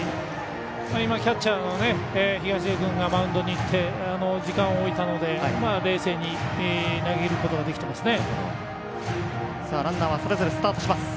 キャッチャーの東出君がマウンドにいって時間を置いたので冷静に投げることができてますね。